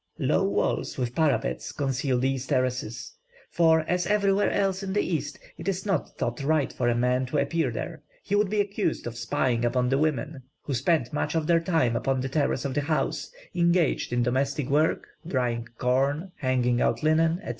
Low walls with parapets conceal these terraces; for, as everywhere else in the East, it is not thought right for a man to appear there; he would be accused of spying upon the women, who spend much of their time upon the terrace of the house, engaged in domestic work, drying corn, hanging out linen, &c."